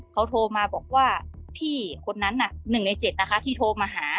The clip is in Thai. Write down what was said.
เขาโทรมาบอกว่าพี่คนนั้น๑ใน๗นะคะที่โทรมาหา